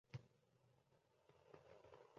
Mo‘ttivoy nima-yu, Mittivoy nima?